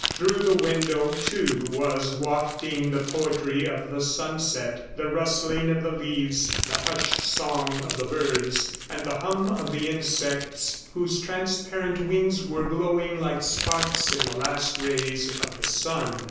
Through the window, too, was wafting the poetry of the sunset the rustling of the leaves, the hushed song of the birds and the hum of the insects whose transparent wings were glowing like sparks in the last rays of the sun.